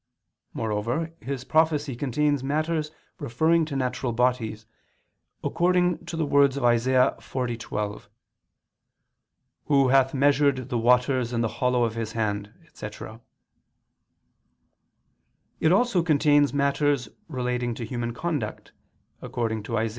Moreover his prophecy contains matters referring to natural bodies, according to the words of Isa. 40:12, "Who hath measured the waters in the hollow of His hand," etc. It also contains matters relating to human conduct, according to Isa.